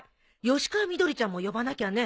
吉川みどりちゃんも呼ばなきゃね。